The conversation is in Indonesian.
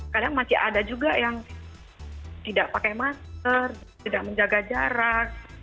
kadang masih ada juga yang tidak pakai masker tidak menjaga jarak